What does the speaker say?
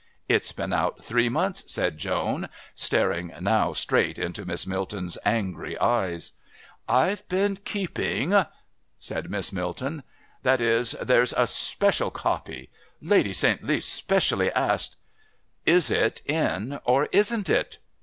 "It's been out three months," said Joan, staring now straight into Miss Milton's angry eyes. "I've been keeping..." said Miss Milton. "That is, there's a special copy.... Lady St. Leath specially asked " "Is it in, or isn't it?"